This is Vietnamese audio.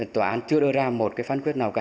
tòa án chưa đưa ra một phán quyết nào cả